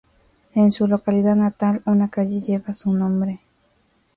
En su localidad natal una calle lleva su nombre.